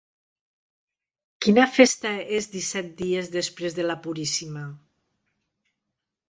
Quina festa és disset dies després de la Puríssima?